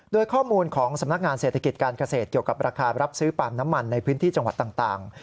โดยข้อมูลของสำนักงานเศรษฐกิจการเกษตรเกี่ยวกับราคารับซื้อปาล์มน้ำมันในพื้นที่จังหวัดต่าง